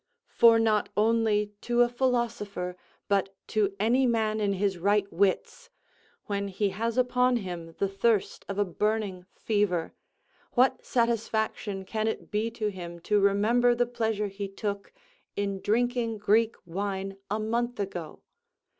For not only to a philosopher, but to any man in his right wits, when he has upon him the thirst of a burning fever, what satisfaction can it be to him to remember the pleasure he took in drinking Greek wine a month ago?